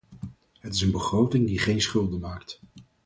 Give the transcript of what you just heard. Het is een begroting die geen schulden maakt.